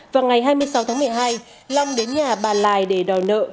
vào ngày hai mươi sáu tháng một mươi hai long đến nhà bà lài để đòi nợ